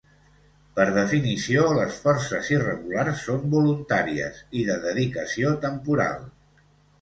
Per definició, les forces irregulars són voluntàries i de dedicació temporal.